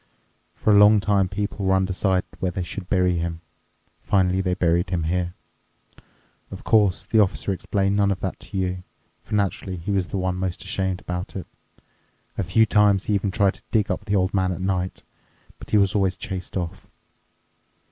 For a long time people were undecided where they should bury him. Finally they buried him here. Of course, the Officer explained none of that to you, for naturally he was the one most ashamed about it. A few times he even tried to dig up the old man at night, but he was always chased off."